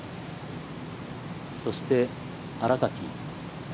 そして、新垣。